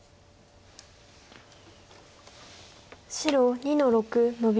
白２の六ノビ。